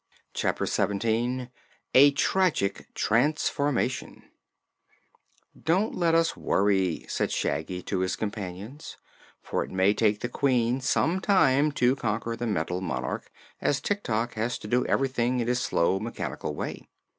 Chapter Seventeen A Tragic Transformation "Don't let us worry," said Shaggy to his companions, "for it may take the Queen some time to conquer the Metal Monarch, as Tik Tok has to do everything in his slow, mechanical way."